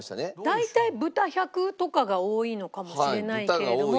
大体豚１００とかが多いのかもしれないけれども。